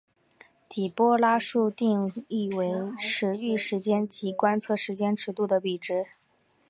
底波拉数定义为驰豫时间及观测时间尺度的比值。